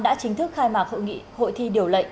đã chính thức khai mạc hội thi điều lệnh